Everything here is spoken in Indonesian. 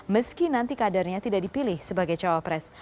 meski nanti kadernya tidak dipilih sebagai cawapres